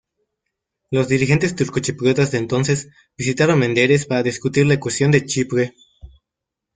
Los dirigentes turcochipriotas de entonces, visitaron Menderes para discutir la cuestión de Chipre.